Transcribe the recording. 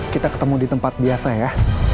kita ketemu di tempat biasa ya